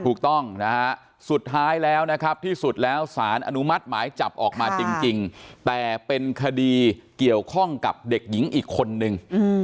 ถูกต้องนะฮะสุดท้ายแล้วนะครับที่สุดแล้วสารอนุมัติหมายจับออกมาจริงแต่เป็นคดีเกี่ยวข้องกับเด็กหญิงอีกคนนึง